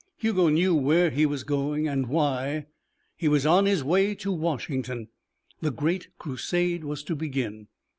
Hugo knew where he was going and why: he was on his way to Washington. The great crusade was to begin.